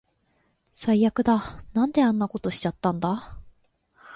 最悪だ。なんであんなことしちゃったんだ